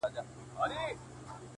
ياد مي دي تا چي شنه سهار كي ويل؛